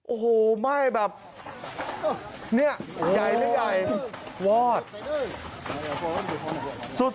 โอ้โหไหม้แบบเนี่ยใหญ่หรือใหญ่วอดสุด